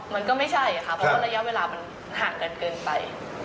มันก็ไม่ใช่ค่ะเพราะว่าระยะเวลามันห่างกันเกินไป